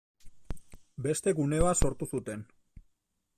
Beste gune bat sortu zuten.